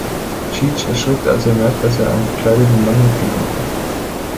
Cheech erschrickt, als er merkt, dass er einen verkleideten Mann mitgenommen hat.